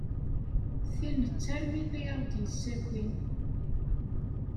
Tin d tarmit ay aɣ-d-yessakin.